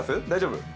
大丈夫？